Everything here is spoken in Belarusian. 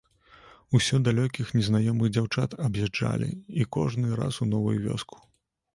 Усё далёкіх незнаёмых дзяўчат аб'язджалі, і кожны раз у новую вёску.